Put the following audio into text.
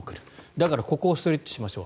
だからここをストレッチしましょう。